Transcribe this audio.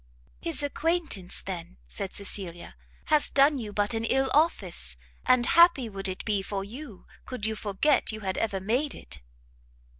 "His acquaintance, then," said Cecilia, "has done you but an ill office, and happy it would be for you could you forget you had ever made it."